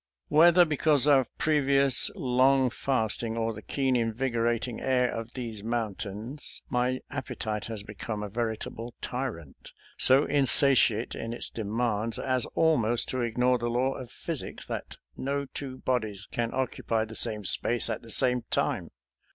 Whether because of previous long fasting or the keen, invigorating air of these mountains, my appetite has become a veritable tyrant, so insatiate in its' demands as almosit to ignore the law of physics that no two bodies can occupy the same space at the same time.